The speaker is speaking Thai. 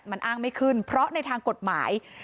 มันอ้างไม่ขึ้นเพราะในทางกฎหมาย